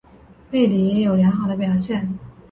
贝里也有良好的表现。